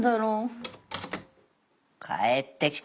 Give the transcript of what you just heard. ・帰ってきた。